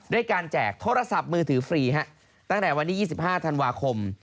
การแจกโทรศัพท์มือถือฟรีตั้งแต่วันที่๒๕ธันวาคม